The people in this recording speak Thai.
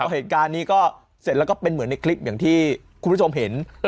เหตุการณ์นี้ก็เสร็จแล้วก็เป็นเหมือนในคลิปอย่างที่คุณผู้ชมเห็น